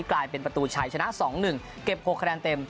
กลายเป็นประตูชัยชนะ๒๑เก็บ๖คะแนนเต็ม